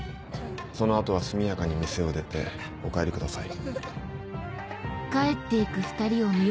その後は速やかに店を出てお帰りください。